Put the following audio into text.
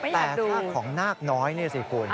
แต่ค่าของนาคน้อยนี่สิคุณ